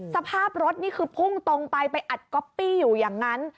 สภาพรถนี่คือพุ่งตรงไปไปอัดก๊อปปี้อยู่อย่างนั้น